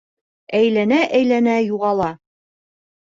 Әйләнә-әйләнә юғала...